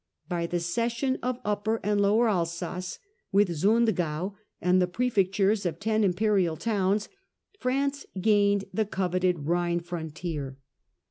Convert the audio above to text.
By the cession of Upper and Lower Alsace, with Sundgau and the pre fectures of ten imperial towns, France gained the coveted Rhine frontier.